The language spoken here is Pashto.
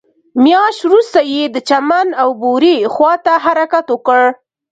مياشت وروسته يې د چمن او بوري خواته حرکت وکړ.